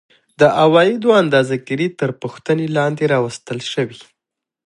د عوایدو اندازه ګیري تر پوښتنې لاندې راوستل شوې